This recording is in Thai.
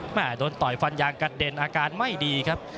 โดนต่อยฟันยางกระเด็นอาการไม่ดีครับ